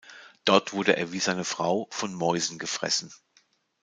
Dort wurde er wie seine Frau von Mäusen gefressen.